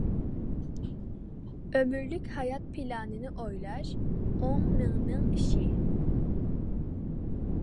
ئۆمۈرلۈك ھايات پىلانىنى ئويلاش ئوڭ مېڭىنىڭ ئىشى.